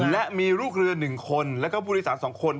และมีลูกเรือหนึ่งคนและผู้โดยสารสองคน